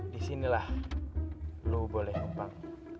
di sinilah lo boleh numpang